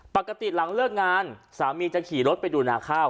ปกติหลังเลิกงานสามีจะขี่รถไปดูนาข้าว